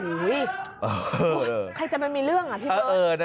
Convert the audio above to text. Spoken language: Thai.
ใครจะไปมีเรื่องอ่ะพี่เบิร์ต